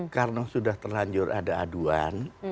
karena sudah terlanjur ada aduan